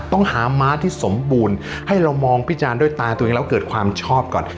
ต้องหาม้าที่สมบูรณ์ให้เรามองพิจารณ์ด้วยตาตัวเองแล้วเกิดความชอบก่อน